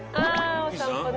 お散歩ね。